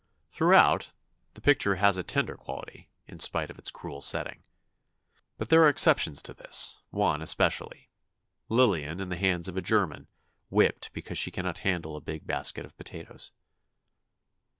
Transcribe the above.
Throughout, the picture has a tender quality, in spite of its cruel setting. But there are exceptions to this, one especially: Lillian in the hands of a German, whipped because she cannot handle a big basket of potatoes.